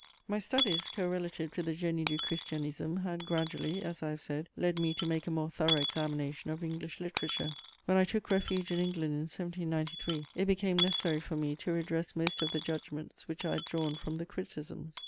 * My studies correlative to the Génie du Christianisme had gradually, as I have said, led me to make a more thorough examination of English literature. When I took refuge in England in 1793, it became necessary for me to redress most of the judgments which I had drawn from the criticisms.